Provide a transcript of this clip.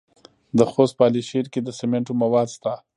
د خوست په علي شیر کې د سمنټو مواد شته.